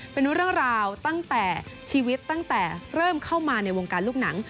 เป็นเรื่องราวตั้งแต่ชีวิตตั้งแต่เริ่มเข้ามาในวงการลูกหนัง